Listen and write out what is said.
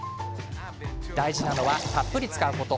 大事なのは、たっぷり使うこと。